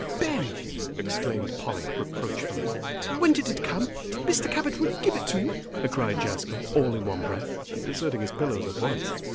"Ben!" exclaimed Polly, reproachfully. "When did it come? Did Mr. Cabot really give it to you?" cried Jasper, all in one breath, and deserting his pillows at once.